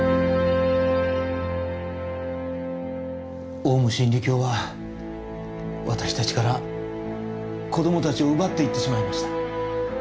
オウム真理教は私たちから子供たちを奪って行ってしまいました。